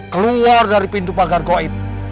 keluar dari pintu pagar goib